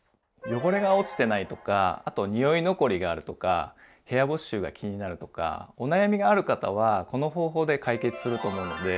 汚れが落ちてないとかあと匂い残りがあるとか部屋干し臭が気になるとかお悩みがある方はこの方法で解決すると思うので。